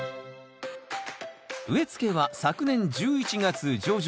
植えつけは昨年１１月上旬。